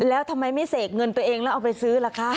แล้วทำไมไม่เสกเงินตัวเองแล้วเอาไปซื้อล่ะคะ